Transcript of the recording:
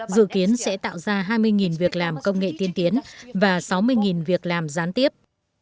dự kiến sẽ tạo ra hai mươi việc làm công nghệ tiên tiến và sáu mươi việc làm gián tiếp